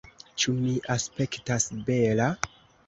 Ĉu mi aspektas bela?